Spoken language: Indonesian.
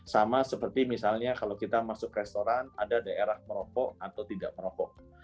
sama seperti misalnya kalau kita masuk restoran ada daerah merokok atau tidak merokok